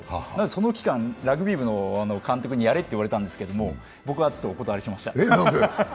その期間、ラグビー部の監督にやれと言われたんですけれども、僕はちょっとお断りしました。